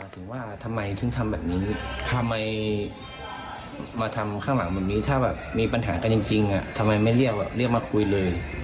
ถึงว่าทำไมถึงทำแบบนี้ทำไมมาทำข้างหลังแบบนี้ถ้าแบบมีปัญหากันจริงทำไมไม่เรียกเรียกมาคุยเลย